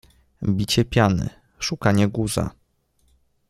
Bicie piany, szukanie guza.